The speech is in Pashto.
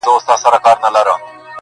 خړي خاوري د وطن به ورته دم د مسیحا سي!٫.